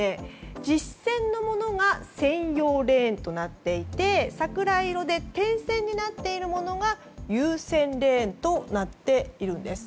実線のものが専用レーンとなっていて桜色で点線になっているものが優先レーンとなっているんです。